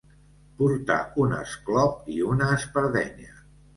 Portar un esclop i una espardenya.